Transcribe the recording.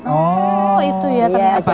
oh itu ya tempatnya itu kan